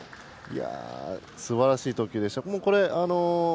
すばらしい投球でした。